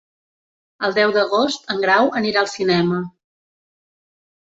El deu d'agost en Grau anirà al cinema.